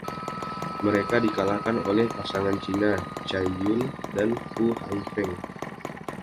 Mereka dikalahkan oleh pasangan China, Cai Yun dan Fu Haifeng.